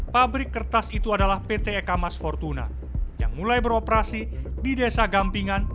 pabrik kertas itu adalah pt eka mas fortuna yang mulai beroperasi di desa gampingan